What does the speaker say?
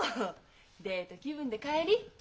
デート気分で帰り！